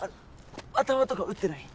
頭とか打ってない？